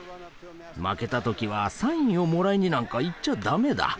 負けた時はサインをもらいになんか行っちゃダメだ。